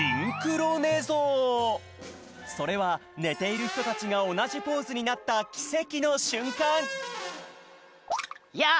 それはねているひとたちがおなじポーズになったきせきのしゅんかんやあ！